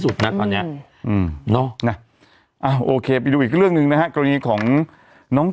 สุดนะก่อนเนี่ยโอเคไปดูอีกเรื่องหนึ่งนะฮะกรณีของน้อง